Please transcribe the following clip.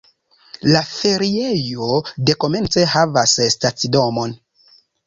La feriejo dekomence havas stacidomon.